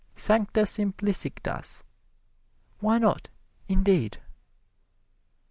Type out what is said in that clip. Sancta simplicitas! Why not, indeed!